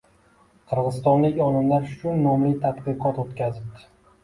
Qirg‘izistonlik olimlar shu nomli tadqiqot o‘tkazibdi.